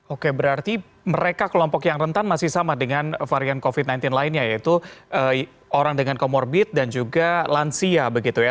oke berarti mereka kelompok yang rentan masih sama dengan varian covid sembilan belas lainnya yaitu orang dengan comorbid dan juga lansia begitu ya